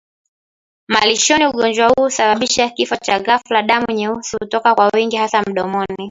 malishoni Ugonjwa huu husababisha kifo cha ghafla Damu nyeusi hutoka kwa wingi hasa mdomoni